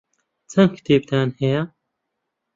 چەند کتێبتان هەیە؟